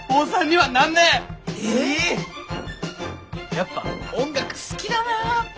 やっぱ音楽好きだなあって。